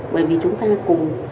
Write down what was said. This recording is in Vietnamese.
bởi vì chúng ta cùng